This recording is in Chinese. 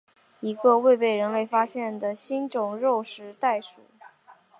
一个未被人类发现的新种食肉袋鼠。